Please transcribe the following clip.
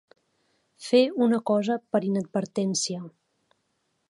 Fer una cosa per inadvertència.